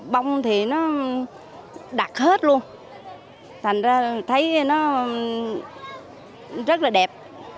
bông thì nó đặt hết luôn thành ra thấy nó rất là đẹp